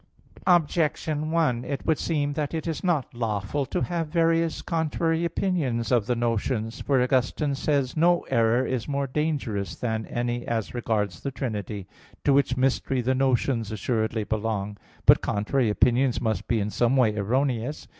Objection 1: It would seem that it is not lawful to have various contrary opinions of the notions. For Augustine says (De Trin. i, 3): "No error is more dangerous than any as regards the Trinity": to which mystery the notions assuredly belong. But contrary opinions must be in some way erroneous.